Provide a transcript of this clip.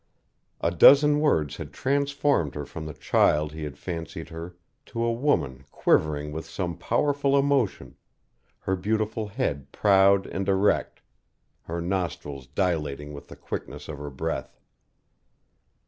A dozen words had transformed her from the child he had fancied her to a woman quivering with some powerful emotion, her beautiful head proud and erect, her nostrils dilating with the quickness of her breath.